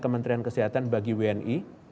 kementerian kesehatan bagi wni